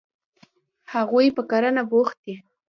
هغوی په کرنه بوخت دي.